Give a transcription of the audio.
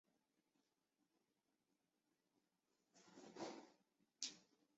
属绥越郡。